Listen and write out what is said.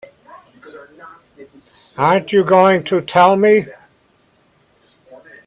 Aren't you going to tell me?